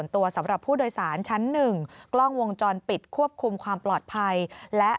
นอกจากนั้นคุณผู้ชมเรื่องของสิ่งอำนวยความสะดวก